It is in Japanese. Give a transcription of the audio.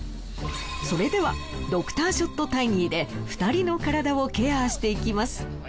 それではドクターショットタイニーで２人の体をケアしていきます。